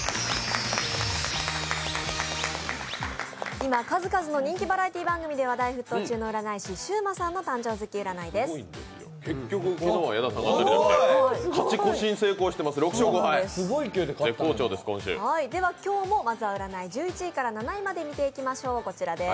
今、数々の人気バラエティー番組で人気沸騰の占い師、シウマさんの誕生月占いです。